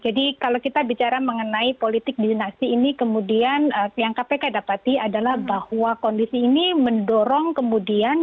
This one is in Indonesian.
jadi kalau kita bicara mengenai politik dinasti ini kemudian yang kpk dapati adalah bahwa kondisi ini mendorong kemudian